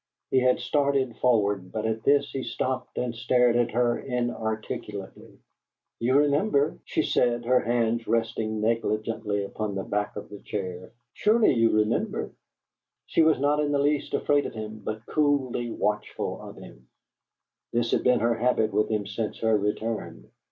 He had started forward, but at this he stopped and stared at her inarticulately. "You remember?" she said, her hands resting negligently upon the back of the chair. "Surely you remember?" She was not in the least afraid of him, but coolly watchful of him. This had been her habit with him since her return.